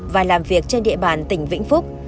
và làm việc trên địa bàn tỉnh vĩnh phúc